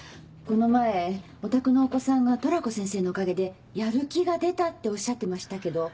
この前おたくのお子さんがトラコ先生のおかげでやる気が出たっておっしゃってましたけど。